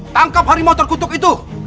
tangkap harimau terkutuk itu